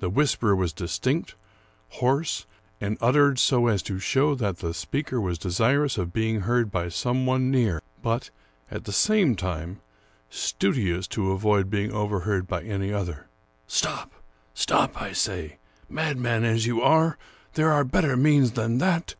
The whisper was distinct, hoarse, and uttered so as to show that the speaker was desirous of being heard by some one near, but, at the same time, studious to avoid being overheard by any other: —" Stop! stop, I say, madman as you are! there are better means than that.